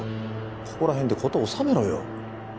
ここらへんで事を収めろよ。